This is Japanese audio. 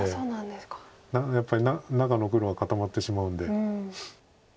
だからやっぱり中の黒が固まってしまうんで。